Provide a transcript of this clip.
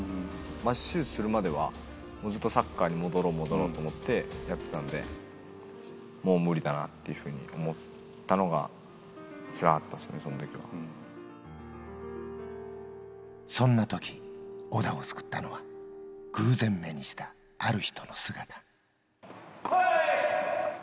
手術するまではずっとサッカーに戻ろう、戻ろうと思ってやってたんで、もう無理だなっていうふうに思ったのが、つらかったですね、そんなとき、小田を救ったのは、偶然目にした、ある人の姿。